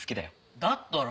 だったら。